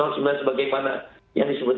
yang terjadi kalau memakai batas bawah